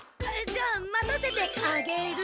じゃあ待たせてあげる。